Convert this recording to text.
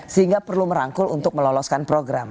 sehingga perlu merangkul untuk meloloskan program